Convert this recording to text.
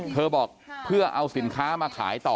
เธอบอกเพื่อเอาสินค้ามาขายต่อ